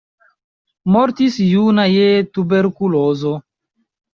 Mortis juna je tuberkulozo.